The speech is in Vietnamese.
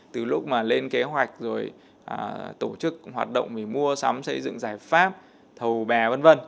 từ lúc mà lên kế hoạch rồi tổ chức hoạt động về mua sắm xây dựng giải pháp thầu bè v v